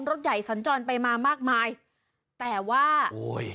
รถใหญ่สัญจรไปมามากมายแต่ว่าโอ้ย